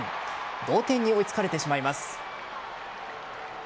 同点に追いつかれてしまいます。